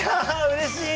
うれしい。